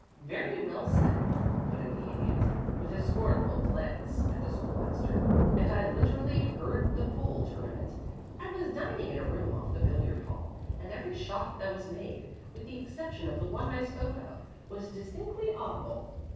"Very well said," put in the Idiot, with a scornful glance at the School master. "And I literally heard the pool tournament. I was dining in a room off the billiard hall, and every shot that was made, with the exception of the one I spoke of, was distinctly audible.